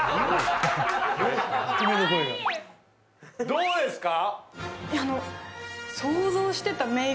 どうですか？